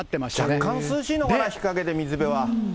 若干涼しいのかな、日陰で水辺は。